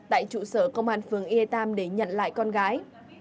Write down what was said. tại trụ sở công an phường ea tam để nhận lại con gái